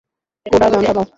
Coda, গান থামাও।